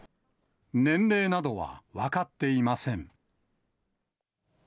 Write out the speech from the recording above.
年齢などは分かっていません。